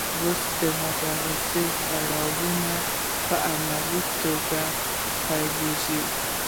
اوس د مبارزې پړاوونه په عملي توګه پیلیږي.